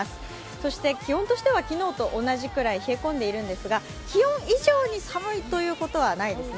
そして気温としては、昨日と同じくらい冷え込んでいるんですが気温以上に寒いということはないですね。